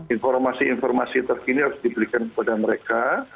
informasi informasi terkini harus diberikan kepada mereka